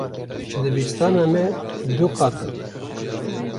Dibistana me du qat in.